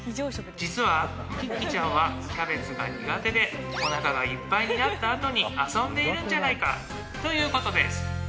実はキッキちゃんはキャベツが苦手でおなかがいっぱいになったあとに遊んでいるんじゃないかということです